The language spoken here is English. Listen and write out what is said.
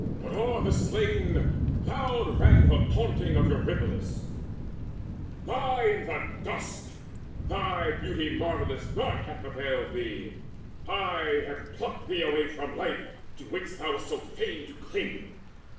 But o'er the slain Loud rang the taunting of Eurypylus: "Lie there in dust! Thy beauty marvellous Naught hath availed thee! I have plucked thee away From life, to which thou wast so fain to cling.